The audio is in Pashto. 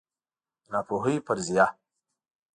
د ناپوهۍ فرضیه